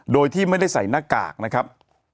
โดยที่ไม่ได้ใส่หน้ากากนะครับ